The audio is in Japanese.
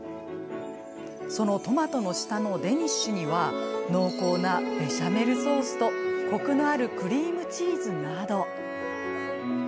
そのトマトの下のデニッシュには濃厚なベシャメルソースとコクのあるクリームチーズなど。